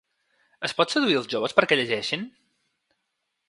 Es pot seduir els joves perquè llegeixin?